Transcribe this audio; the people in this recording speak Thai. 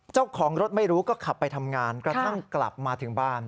เจ้าของรถไม่รู้ก็ขับไปทำงานกระทั่งกลับมาถึงบ้าน